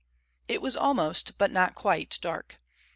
It was almost, but not quite dark.